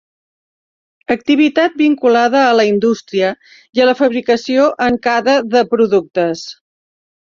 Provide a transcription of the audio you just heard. Activitat vinculada a la indústria i a la fabricació en cada de productes.